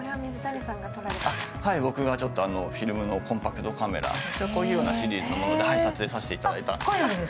僕がフィルムのコンパクトカメラ、こういうのを撮影させていただいた。